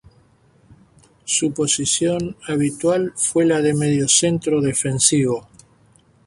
Su posición habitual fue la de mediocentro defensivo.